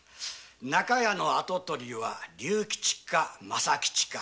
中屋の跡取りは竜吉か政吉か。